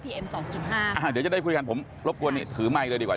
เดี๋ยวจะได้คุยกันผมรบกวนถือไมค์เลยดีกว่า